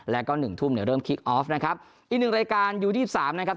แล้วก็หนึ่งทุ่มเนี่ยเริ่มคลิกออฟนะครับอีกหนึ่งรายการยูยี่สิบสามนะครับ